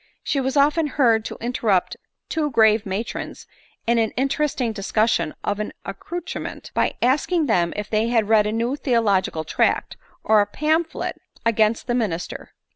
She was often heard to interrupt two grave matrons in an interesting discus* sion of an accouchment, by asking them if they had read a new theological tract, or a pamphlet against the minis ter